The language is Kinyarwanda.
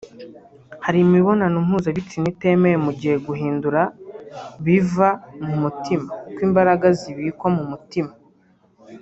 hari imibonano mpuzabitsina itemewe mu gihe guhindura biva mu mutima kuko imbaraga zibikwa mu mutima